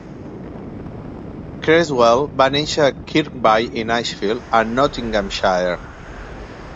Cresswell va néixer a Kirkby-in-Ashfield, a Nottinghamshire.